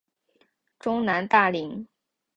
中南大羚。